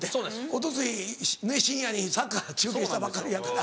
一昨日深夜にサッカー中継したばっかりやから。